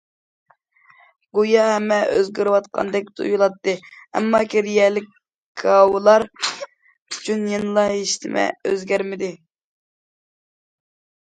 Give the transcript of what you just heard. گويا ھەممە ئۆزگىرىۋاتقاندەك تۇيۇلاتتى، ئەمما كېرىيەلىك كاۋىلار ئۈچۈن يەنىلا ھېچنېمە ئۆزگەرمىدى.